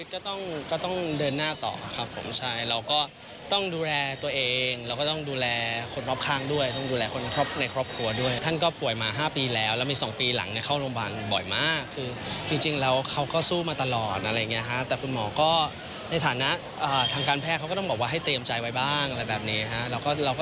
ก็ต้องก็ต้องเดินหน้าต่อครับผมใช่เราก็ต้องดูแลตัวเองเราก็ต้องดูแลคนรอบข้างด้วยต้องดูแลคนในครอบครัวด้วยท่านก็ป่วยมา๕ปีแล้วแล้วมี๒ปีหลังเนี่ยเข้าโรงพยาบาลบ่อยมากคือจริงแล้วเขาก็สู้มาตลอดอะไรอย่างเงี้ฮะแต่คุณหมอก็ในฐานะทางการแพทย์เขาก็ต้องบอกว่าให้เตรียมใจไว้บ้างอะไรแบบนี้ฮะ